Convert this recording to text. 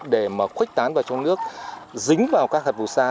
để mà khuếch tán vào trong nước dính vào các hạt vụ xa